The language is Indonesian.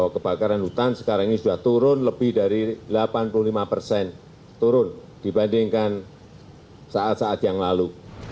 kebakaran hutan sekarang ini sudah turun lebih dari delapan puluh lima persen turun dibandingkan saat saat yang lalu